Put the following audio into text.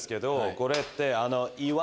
これって。